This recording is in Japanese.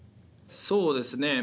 そうですね。